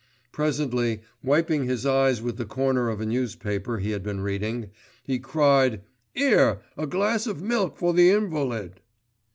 Presently, wiping his eyes with the corner of a newspaper he had been reading, he cried "'Ere, a glass of milk for the invalid."